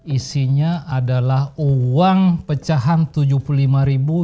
isinya adalah uang pecahan rp tujuh puluh lima ribu